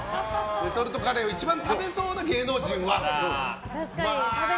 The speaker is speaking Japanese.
レトルトカレーを一番食べていそうな芸能人は？と。